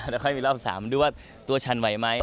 แล้วค่อยมีรอบ๓ด้วยว่าตัวฉันไหวไหม